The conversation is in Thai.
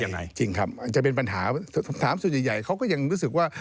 ใช่จริงครับจะเป็นปัญหาสถามสุดใหญ่เขาก็ยังรู้สึกว่า